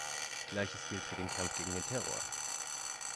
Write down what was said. Gleiches gilt für den Kampf gegen den Terror.